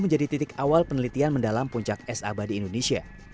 dua ribu sepuluh menjadi titik awal penelitian mendalam puncak es abadi indonesia